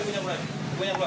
tolong ibu yang keluar